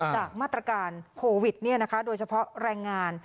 จากมาตรการโควิดโดยเฉพาะแรงงาน